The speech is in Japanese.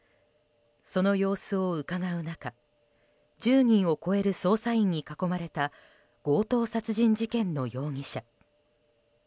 その様子をうかがう中１０人を超える捜査員に囲まれた強盗殺人事件の容疑者。